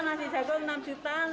nasi jagung enam juta